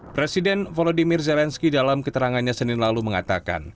presiden volodymyr zelensky dalam keterangannya senin lalu mengatakan